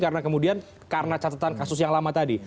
karena kemudian karena catatan kasus yang lama tadi